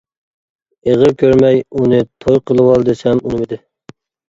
ئېغىر كۆرمەي، ئۇنى توي قىلىۋال دېسەم ئۇنىمىدى.